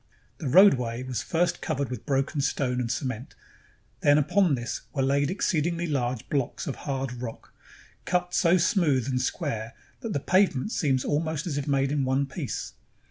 The roadway was first covered with broken stone and cement; then upon this were laid exceedingly large blocks of hard rock, cut so smooth and square that the pavement seems almost as if made in one piece.